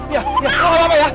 ya ya gak apa apa ya